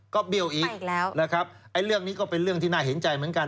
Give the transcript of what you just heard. ก็เบี้ยวอีกแล้วนะครับไอ้เรื่องนี้ก็เป็นเรื่องที่น่าเห็นใจเหมือนกัน